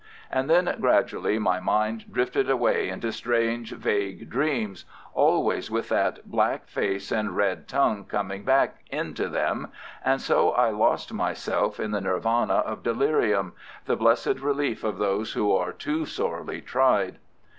And then gradually my mind drifted away into strange, vague dreams, always with that black face and red tongue coming back into them, and so I lost myself in the nirvana of delirium, the blessed relief of those who are too sorely tried.